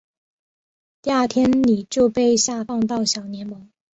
第二天李就被下放到小联盟。